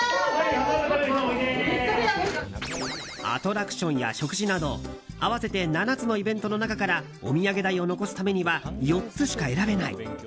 アトラクションや食事など合わせて７つのイベントの中からお土産代を残すためには４つしか選べない。